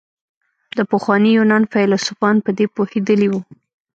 د پخواني يونان فيلسوفان په دې پوهېدلي وو.